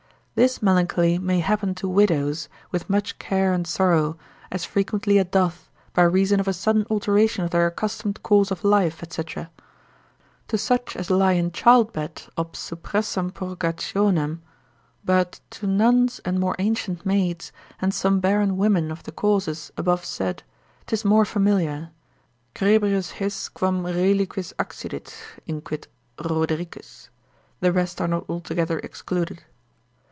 This melancholy may happen to widows, with much care and sorrow, as frequently it doth, by reason of a sudden alteration of their accustomed course of life, &c. To such as lie in childbed ob suppressam purgationem; but to nuns and more ancient maids, and some barren women for the causes abovesaid, 'tis more familiar, crebrius his quam reliquis accidit, inquit Rodericus, the rest are not altogether excluded.